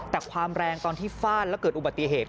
แต่ความแรงตอนที่ฟาดแล้วเกิดอุบัติเหตุ